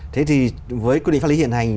thế thì với quy định pháp lý hiện hành